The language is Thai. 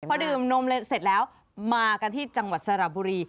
พอดื่มนมเลยเสร็จแล้วมากันที่จังหวัดสระบุรี